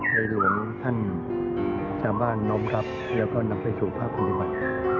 ให้หลวงท่านชาวบ้านน้องรับแล้วก็นำไปสู่ภาคคุณภัย